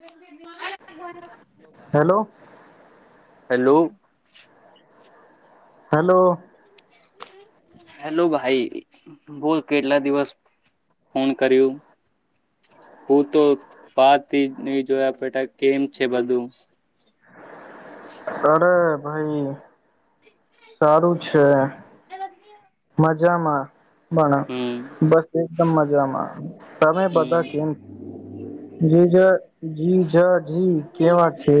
[unintelligible] Hello [unintelligible] hello hello hello ભાઈ બો કેટલા દિવસ ફોન કર્યું હું તો વાથી નહી જોયા પટા કેમ છે બધું અડે ભાઈ સારું છે મજામાં ગણા હમ બસ એકદમ મજામાં તમે બધા હમ કેમ જે જે હમ જ જી કેવા છે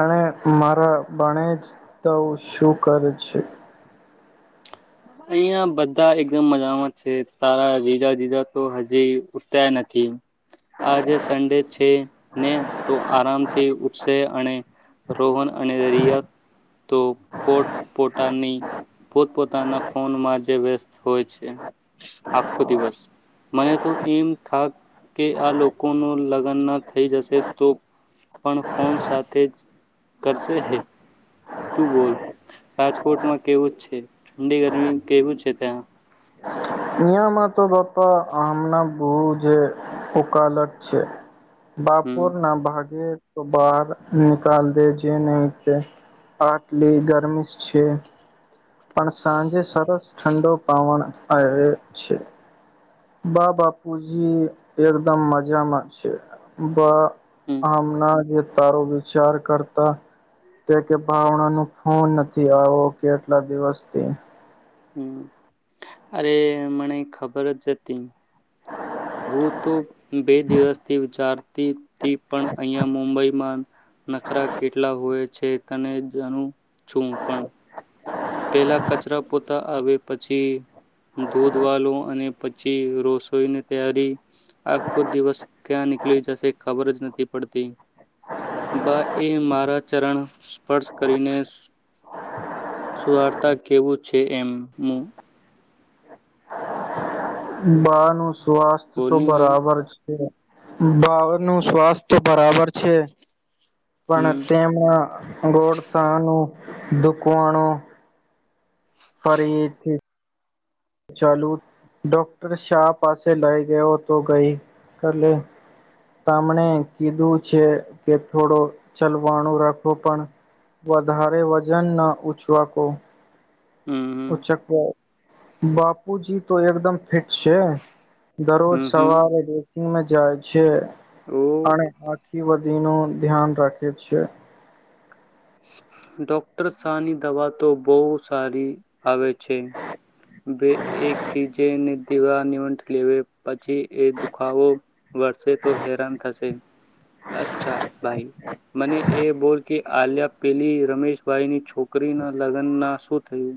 અને મારા બને જ તો શું કરે છે અહિયાં બધા એકદમ મજામાં છે તારા જીજા જીજા તો હજી ઉઠતા નથી આજે સંન્ડે છે ને તો આરામથી ઉઠ શું તે અને રોહન અને રિયા તો પોટ પોતાની પોતપતા પોતાના ફોનમાં જે વ્યસ્ત હોય છે આખો દિવસ મને તો એમ થા કે આ લોકો ન લગ્ન ના થઈ જશે તો પણ ફોન સાથે જ કરશે હે તું બોલ રાજકોટમાં કેવું છે ઠંડી ગરમી કેવું છે ત્યાં અિયામાં તો બહુ તો હમણા બુ જે વકાલત છે હમ બાપોર ના ભાગે તો બહાર નિકાલ દેજે નહીં તે આટલી ગરમિશ છે. પણ સાંજે સરસ ઠંડો પવન આવે છે. બા બાપુજી એકદમ મજામાં છે. બા હમ હમણાં જે તારો વિચાર કરતા તે કે ભાવના ન ફોન નથી આવો કેટલા દિવસથી. હમ્મ, અરે મને ખબર જ હતી. વો તો બે દિવસથી વિચારતી તી પણ અહીંયા મુંબઈમાં નખરા કેટલા હોય. છે તને જાનું છું પણ પેલા કચરા પોતા આવે પછી દૂધ વાલો અને પછી રસોઈની તૈયારી આખો દિવસ ક્યાં નીકળી જશે ખબર જ નથી પડતી. બા એ મારા ચરણ સ્પર્શ કરીને સુવાર્તા કેવું છે એમ મુ બાનું સ્વાસ્થ તો બોલની ભાઈ બરાબર બાવ નું સ્વાસ્થ તો બરાબર છે. પણ હમ તેમના ગોળતા નું દુકવાણુ ફરીથી ચાલુ ડોક્ટર શાહ પાસે લઈ ગયો તો ગઈ કાલે તા મને કીધું છે કે થોડો ચલવાણું રાખો પણ વધારે વજન ના ઉછવાકો. હમ હમ ઉછક પ બાપુજી તો એકદમ ફિટ છે. દરરોજ હમ હમ સવારે ડ્રેસિંગ જાય છે. ઓ અને આખી વધુનો ધ્યાન રાખે છે. ડોક્ટર શાહની દવા તો બવ સારી આવે છે બે એક થી જેને દીવા નિવટ લે. પછી એ દુખાવો વરસે તો હેરાન થશે. અચ્છા ભાઈ મને એ બોલ કે આલ્યા પેલી રમેશભાઈની છોકરી ના લગ્ન ના શું થયું?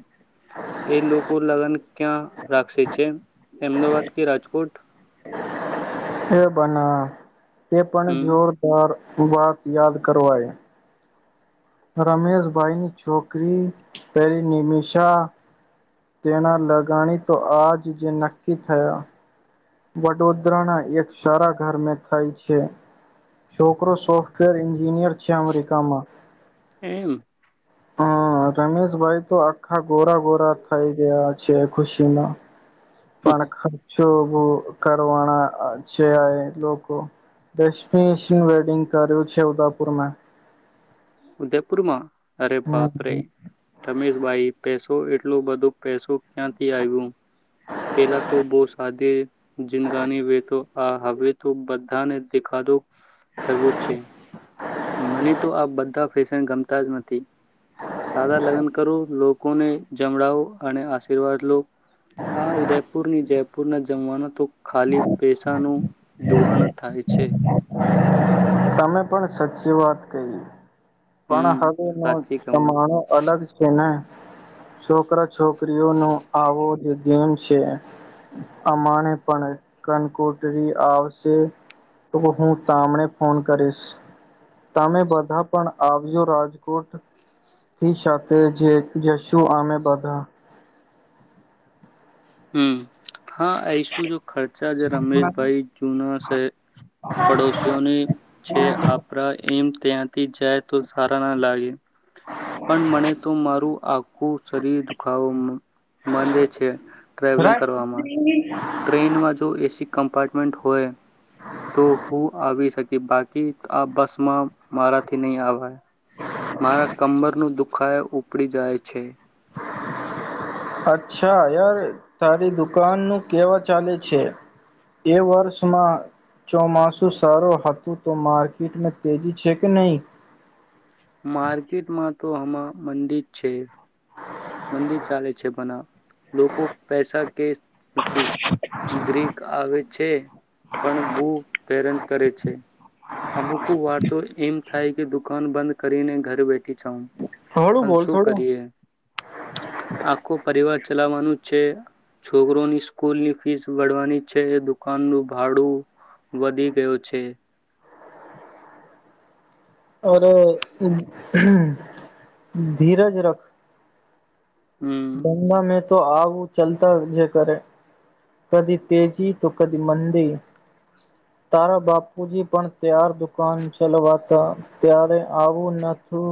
એ લોકો લગન ક્યાં રાખશે છે, અમદાવાદ કે રાજકોટ? એ બના તે પણ હમ જોરદાર વાત યાદ કરવાય. રમેશભાઈની છોકરી પેલી નિમિષા તેના લગાણી તો આજ જે નક્કી થયા. વડોદરાના એક સારા ઘરમે થાય છે છોકરો સોફ્ટવેર એન્જિનિયર છે અમેરિકામાં. એમ. હા રમેશભાઈ તો આખા ગોરા ગોરા થઈ ગયા છે ખુશીમાં. કણ ખર્ચ સોવો કરવાણાં અ છે આ એ લોકો ડેસ્ટિનેશન વેડિંગ કર્યું છે ઉદાપુરમાં ઉદયપુરમાં અરે બાપ રે ત [unintelligible] [unintelligible] તો એટલું બધું પૈસું ક્યાંથી આયવુ પેલા તો બહું તે જીનગાની વેતો હા હવે તો બધાને દેખાડો કરવો જ છે મને તો આ બધા ફેશન ગમતા જ નથી સાદા લગન કરો લોકોને જમડાવો અને આશીર્વાદ લો હા ઉદયપુર ની જેમ પૂરના જમાના તો ખાલી પૈસાનું દુવાણ જ થાય છે તમે પણ સચી વાત કહી પણ હમ હવે નો સાચી કહું જમાનો અલગ છેને છોકરા છોકરીઓ ન આવો જ ગેમ છે અમાને પણ કનકુટરી આવશે તો હું તામણે ફોન કરીશ તમે બધા પણ આવજ્યો રાજકોટ થી સાથે જ જશું અમે બધા હમ હા આઈસુ જો ખર્ચા જે રમેશભાઈ જુના સે પડોશીઓની છે આપરા એમ ત્યાંથી જાય તો સારા ના લાગે પણ મણે તો મારું આખું શરીર દુખાવો માંદે છે ટ્રાવેલિંગ કરવામાં રાત્રિ ની ટ્રેનમાં જો એસી કમ્પાર્ટમેન્ટ હોય તો હું આવી શકિ કે બાકી આ બસમાં મારાથી નહી આવાએ મારા કમર નું દુખ ખાય ઉપડી જાય છે અચ્છા યાર તારી દુ દુકાન નું કેવા ચાલે છે એ વર્ષમાં ચોમાસુ સારું હતું તો માર્કેટમાં તેજી છે કે નહીં માર્કેટમાં તો હમા મંદી જ છે હા [unintelligible] [unintelligible] મંદિ ચાલે છે બના લોકો પેસા કે નથી ગ્રીક આવે છે પણ બુ હેરન કરે છે અમુક વારતો એમ થાય કે દુકાન બંધ કરીને ઘરે બેઠી જાઉ થોળુ બોલ થોડુ આખુ પરિવાર ચલાવવાનું છે છોકરોની સ્કૂલની ફીસ ભરવાની છે દુકાનનું ભાડું વધી ગયો છે. ઓરો [unintelligible] ધીરજ રખ હમ ગંગા મેં તો આવ તુ ચાલતા જ કરે કદી તેજી તો કદી મંદી તારા બાપુજી પણ ત્યાર દુકાન ચલવાતા ત્યારે આવું નથું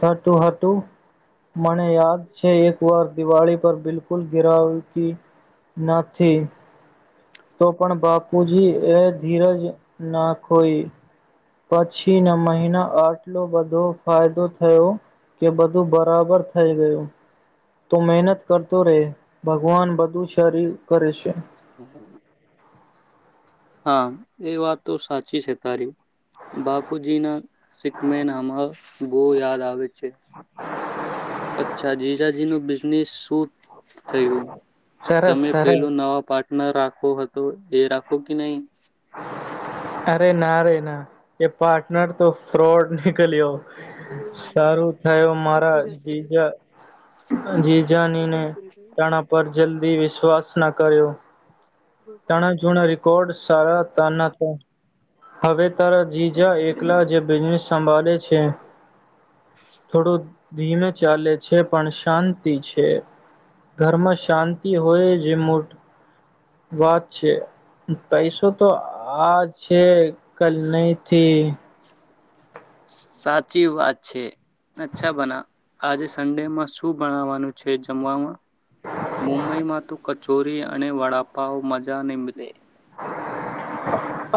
થતું હતું મને યાદ છે એક વાર દિવાળી પર બિલકુલ ગિરાવતી નથી. તો પણ બાપુજી એ ધીરજ ના ખોઈ પછીના મહિના આટલો બધો ફાયદો થયો કે બધું બરાબર થઈ ગયું તો મહેનત કરતો રે ભગવાન બધું શરીર કરે છે. [inaudible] હા એ વાત તો સાચી છે તારી બાપુજી ના શીખમે નામહ બો યાદ આવે છે અચ્છા જીજા જેનો બીજનેસ શુ થયું સરસ તમે સરસ પેલું નવા પાર્ટનર રાખ ખો હતો એ રાખો કે નઈ અરે ના રે ના એ પાર્ટનર તો ફ્રોડ નિકલ્યો. સારું થયો મારા જીજા જીજાની ને તણા પર જલ્દી વિશ્વાસ ના કર્યો તાના જૂના રેકોડ્સ સારા [unintelligible] હવે તારા જીજા એકલા જે બિઝનેસ સંભાળે છે થોડું ધીમે ચાલે છે પણ શાંતિ છે ઘરમાં શાંતિ હોય જે મુ વાત છે પૈસો તો આજ છે કલ નહી થી સાચી વાત છે અચ્છા બના આજે સંન્ડેમાં શું બનાવાનું છે જમવામાં મુંબઈ માં તો ક ચોરી અને વડાપાવ મજા ની મલે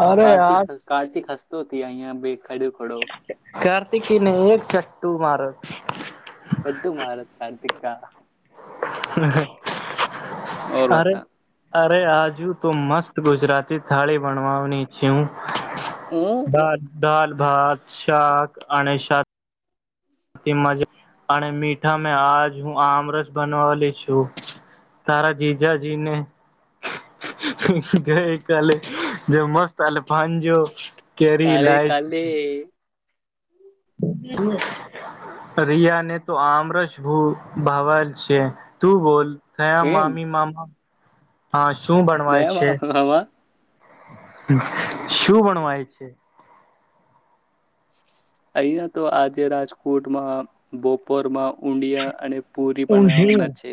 અરે કાર્તિક આ કાર્તિક હસ્ત તો તી અહીંયા બેક કાર્તિકીને એક ચટ્ટુ મારો લે તુ માર કાર્તિક કા ઓર અરે બતા અરે આજ હું દાલ દાલ ભાત શાક અને શાક મજા પણ મીઠા મે આજ હું આમરસ બનાવાલી છું તારા જીજાજીને ગઈ કાલે જો મસ્ત એટલે ભાંજો તારે કાલે રીયા ને તો આમરસભૂ ભાવલ છે તું બોલ? ક્યા એમ મામી મામા હા. શું બણવાય છે? નયામાં શું ભણવાય છે? અહીંયા તો આજે રાજકોટમાં બોપોરમાં ઊંડિયા અને પુરી બનાવાના ઊંધિયું છે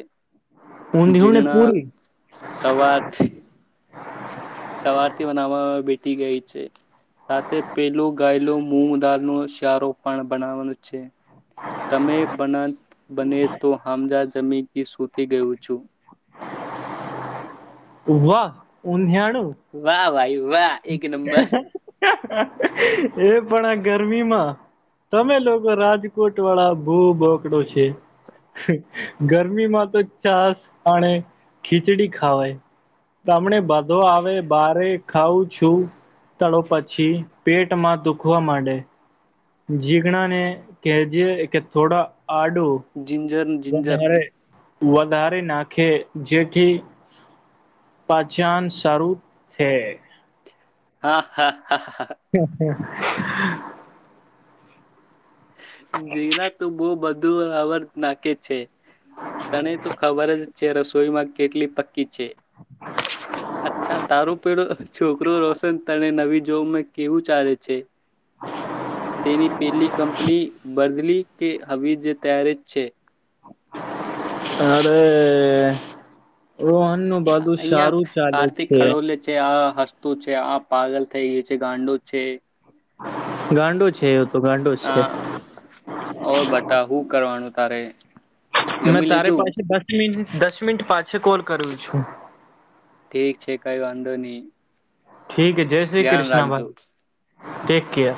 ઊંધિયું ને જીગણા પૂરી સવાર સવારથી બનાવવામાં બેઠી ગઈ છે સાથે પેલું ગાયલું મુગ દાલનો શ્યારો પણ બનાવાનો છે. તમે બન બને તો હમજા તમે તે સુતી ગયું છું. વાહ ઊંધીયાણ વાહ ભાઈ. વાહ એક નંબર એ પણ ગરમીમાં તમે લોકો રાજકોટવાળા ભૂ બોકડો છ કે ગરમીમાં તો છાશ અને ખીચડી ખાવાય તમને બધો આવે બારે ખાવું છું તળો પછી પેટમાં દુખવા માંડે. જીઘણાને કેજે કે થોડા આડુ જિંજર જિંજર બને રે વધારે નાખે જેથી પાચન સારું છે. હા હા. હા હા [unintelligible] જીગના તું બહુ બધ ધું અવર નાખે છે. તને તો ખબર જ છે રસોઈમાં કેટલી પકી છે. અચ્છા તારું પેડુ છોકરું રોશન તને નવી જોબમાં કેવું ચાલે છે? તેની પેલી કંપ બદલી કે હવે જે ત્યારે જ છે? અરે ઓહનનું બધું અહિયાં સારું ચાલે છે. તું છે. આ પાગલ થઈ ગઈ છે ગાંડો છે. ગાંડો છે એ તો ગાંડો છે હા ઓર બટા હું કરવાનું તારે મે જમી તારે લીધું? પાસે [unintelligible] દસ મિનિટ પાછી કોલ કરું છું ઠીક છે કઈ વાંધો નહી ઠીક હ જય શ્રી ધ્યાન કૃષ્ણ રાખજો. ભાઈ ટેક કેર